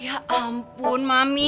ya ampun mami